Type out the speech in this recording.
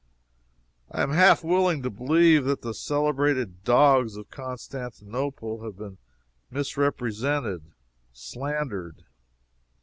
I am half willing to believe that the celebrated dogs of Constantinople have been misrepresented slandered.